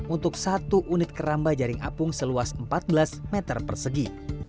untuk satu unit keramba jaring apung seluas empat belas meter persegi